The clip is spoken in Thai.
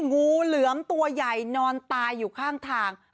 งูเหลือมตัวใหญ่นอนตายอยู่ข้างทาง